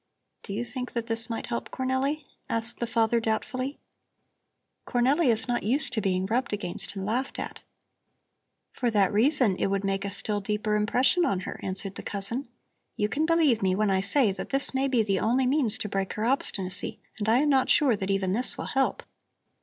"Do you think that this might help Cornelli?" asked the father doubtfully. "Cornelli is not used to being rubbed against and laughed at." "For that reason it would make a still deeper impression on her," answered the cousin. "You can believe me when I say that this may be the only means to break her obstinacy, and I am not sure that even this will help.